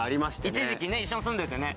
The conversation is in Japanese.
一時期ね一緒に住んでてね